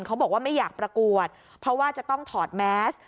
เขาบอกว่าไม่อยากประกวดเพราะว่าจะต้องถอดแมส